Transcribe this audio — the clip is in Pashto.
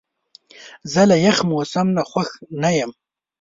زه له یخ موسم نه خوښ نه یم.